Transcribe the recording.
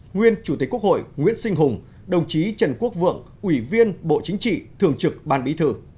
nguyên chủ tịch quốc hội nguyễn sinh hùng đồng chí trần quốc vượng ủy viên bộ chính trị thường trực ban bí thư